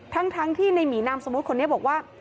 ทั้งที่ในหมีนามสมมุติคนนี้บอกว่า